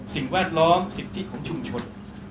แวดล้อมสิทธิของชุมชน